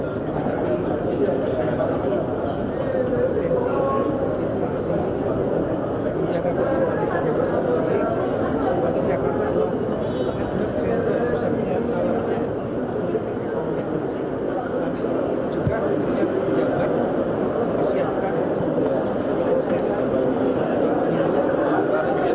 dki jakarta menjabat penjabat gubernur dki jakarta